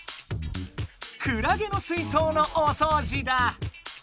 クラゲの水そうのおそうじだ。